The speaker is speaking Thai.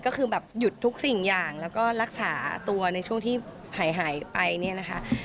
ก็คือแบบหยุดทุกสิ่งอย่างแล้วก็รักษาตัวในช่วงที่หายไปเนี่ยนะคะ